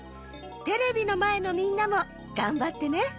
テレビのまえのみんなもがんばってね。